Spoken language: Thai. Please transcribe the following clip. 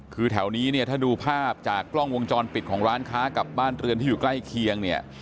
คือแถวนี้เนี่ยถ้าดูภาพจากกล้องวงจรปิดของร้านค้ากับบ้านเรือนที่อยู่ใกล้เคียงเนี่ย